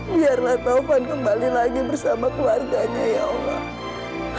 biarlah taufan kembali lagi bersama keluarganya ya allah